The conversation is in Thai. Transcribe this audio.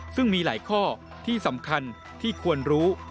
ซึ่งมีหลายข้อที่สำคัญที่ควรรู้